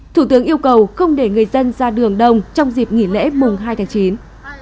thủ tướng yêu cầu không để người dân ra đường đông trong dịp nghỉ lễ mùng hai tháng chín